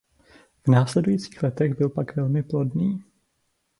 V následujících letech byl pak velmi plodný.